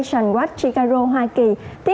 điện tất cả bởi